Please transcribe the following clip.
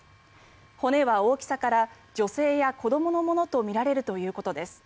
骨は大きさから女性や子どものものとみられるということです。